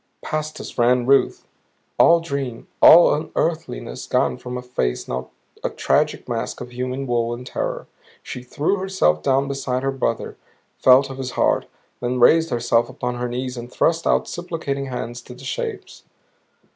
Past us ran Ruth, all dream, all unearthliness gone from a face now a tragic mask of human woe and terror. She threw herself down beside her brother, felt of his heart; then raised herself upon her knees and thrust out supplicating hands to the shapes.